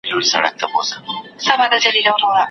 مدير ماته ځينې مهم اسناد رالېږلي دي.